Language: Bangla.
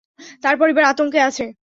তার পরিবার আতঙ্কে আছে।